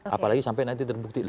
apalagi sampai nanti terbukti